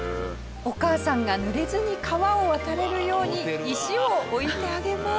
お母さんが濡れずに川を渡れるように石を置いてあげます。